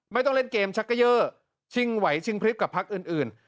ไม่ต้องเล่นเกมชักเกยอร์ชิงไหวชิงพริบกับพักอื่น